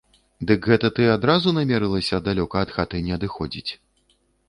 Дык гэта ты адразу намерылася далёка ад хаты не адыходзіць?